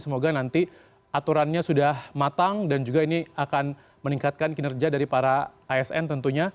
semoga nanti aturannya sudah matang dan juga ini akan meningkatkan kinerja dari para asn tentunya